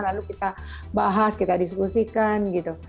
lalu kita bahas kita diskusikan gitu